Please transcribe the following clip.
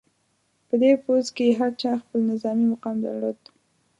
په دې پوځ کې هر چا خپل نظامي مقام درلود.